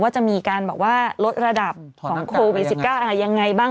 จะมีลดระดับของโควิด๑๙มีอย่างไรบ้าง